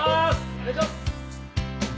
お願いします。